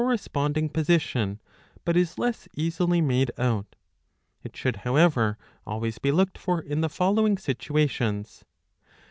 responding position, but is less easily made out.®"' It should, however, always be looked for in the following situations.